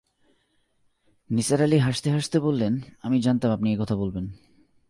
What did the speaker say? নিসার আলি হাসতে-হাসতে বললেন, আমি জানতাম আপনি এই কথা বলবেন।